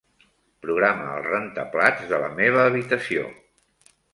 Programa el rentaplats de la meva habitació.